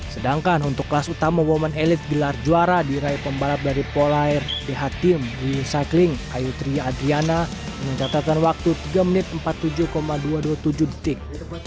sedangkan untuk kelas utama woman elite gelar juara diraih pembalap dari pola air dh team recycling ayutriya adriana dengan catatan waktu tiga menit empat puluh tujuh dua ratus dua puluh tujuh detik